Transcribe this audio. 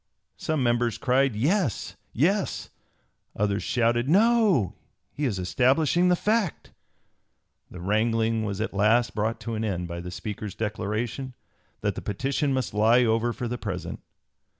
Some members cried "Yes! Yes!"; others shouted "No! he is establishing the fact." The wrangling was at last brought to an end by the Speaker's declaration, that the petition must lie over for the present.